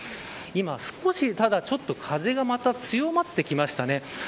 今、少し、ちょっと風がまた強まってきましたね。